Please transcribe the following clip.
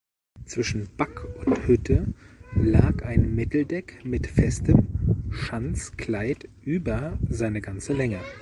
Zwischen Back und Hütte lag ein Mitteldeck mit festem Schanzkleid über seine ganze Länge.